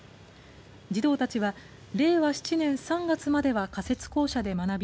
児童たちは令和７年３月までは仮設校舎で学び